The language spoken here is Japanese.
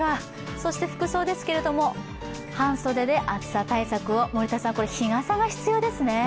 そして服装ですけれども半袖で暑さ対策を日傘が必要ですね。